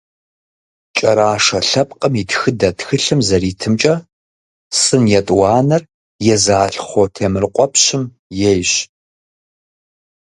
«КӀэрашэ лъэпкъым и тхыдэ» тхылъым зэритымкӀэ, сын етӀуанэр езы Алъхъо Темрыкъуэпщым ейщ.